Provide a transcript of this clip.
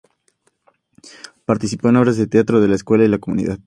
Participó en obras de teatro de la escuela y la comunidad.